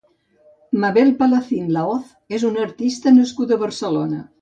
Mabel Palacín Lahoz és una artista nascuda a Barcelona.